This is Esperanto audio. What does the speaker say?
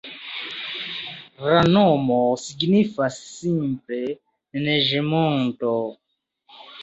La nomo signifas simple Neĝ-monto.